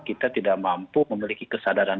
kita tidak mampu memiliki kesadaran